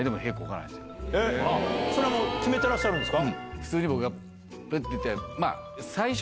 それは決めてらっしゃるんですか。